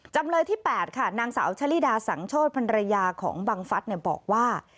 จำเลยที่๘ค่ะนางสาวชะลิดาสังโชธภรรยาของบังฟัสบอกว่า